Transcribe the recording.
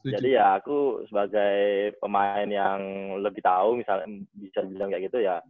jadi ya aku sebagai pemain yang lebih tahu bisa dibilang kayak gitu ya